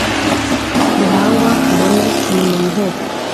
ruhangwa-mbone nimuyihebe